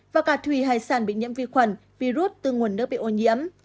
và cả thủy hải sản bị nhiễm vi khuẩn virus từ nguồn nước bị ô nhiễm